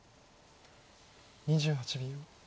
２８秒。